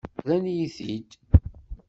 Rran-iyi-t-id.